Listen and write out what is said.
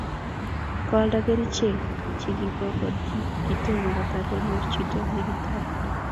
koalda kerchek che kibokiti kitomo kotar konyor chito nekitoret